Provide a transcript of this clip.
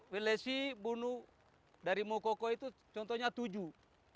welesi bunuh dari mokoko itu contohnya tujuh